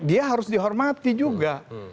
dia harus dihormati juga